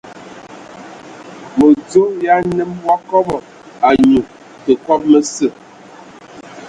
Mədzo ya nnəm wa kɔbɔ, anyu tə kɔbɔ məsə.